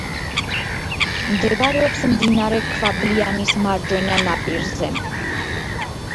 მდებარეობს მდინარე ქვაბლიანის მარჯვენა ნაპირზე.